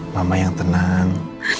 mama yang tenang